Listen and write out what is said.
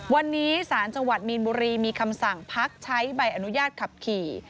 วันนี้สารจังหวัดมีนบุรีมีคำสั่งพักใช้ใบอนุญาตขับขี่